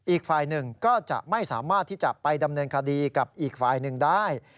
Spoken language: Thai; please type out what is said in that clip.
อีกฝ่ายหนึ่งก็จะไม่สามารถที่จะไปดำเนินคดีกับอีกฝ่ายหนึ่งได้